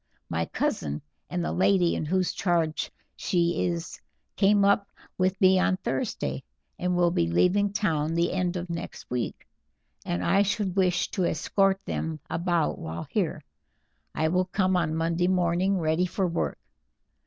My cousin and the lady in whose charge she is came up with me on Thursday, and will be leaving town the end of next week, and I should wish to escort them about while here. I will come on Monday morning ready for work.